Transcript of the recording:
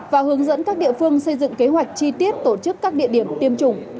và hướng dẫn các địa phương xây dựng kế hoạch chi tiết tổ chức các địa điểm tiêm chủng